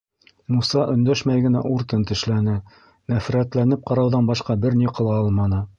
Муса өндәшмәй генә уртын тешләне, нәфрәтләнеп ҡарауҙан башҡа бер ни ҡыла алманы.